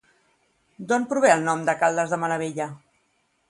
D'on prové el nom de Caldes de Malavella?